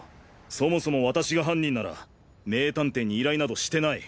そもそも私が犯人なら名探偵に依頼などしてない。